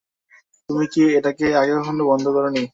তুমি কি এটাকে আগে কখনো বন্ধ করোনি?